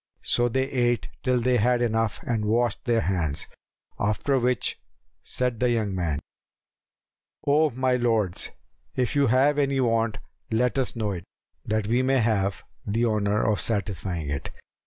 So they ate till they had enough and washed their hands, after which said the young man, "O my lords, if you have any want, let us know it, that we may have the honour of satisfying it."